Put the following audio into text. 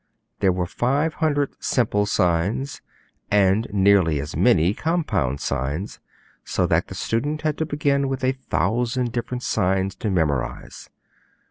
There were five hundred simple signs, and nearly as many compound signs, so that the student had to begin with a thousand different signs to memorize.